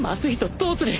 どうする！？